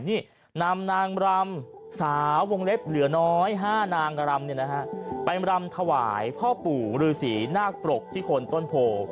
นี่นำนางรำสาววงเล็บเหลือน้อย๕นางรำไปรำถวายพ่อปู่ฤษีนาคปรกที่คนต้นโพ